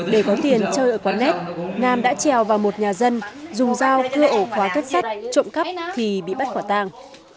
để có tiền chơi ở quán nét nam đã trèo vào một nhà dân dùng dao cưa ổ khóa cất sách trộm cắp thì bị bắt khỏa tàng